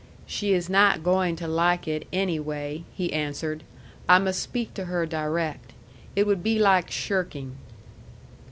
"She is not going to like it, anyway," he answered. "I must speak to her direct. It would be like shirking."